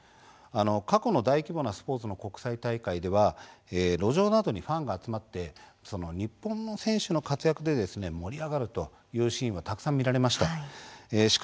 過去の大規模なスポーツの国際大会では路上などでファンが集まって日本の選手の活躍で盛り上がるとというシーンはたくさん見られました。